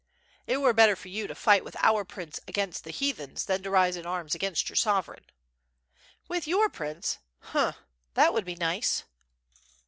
"It were better for you to fight with our prince against the heathens, than to rise in arms against your sovereign.'* "With your prince? H'm! that would be nice."